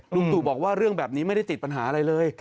ลุงตู่บอกว่าเรื่องแบบนี้ไม่ได้ติดปัญหาอะไรเลย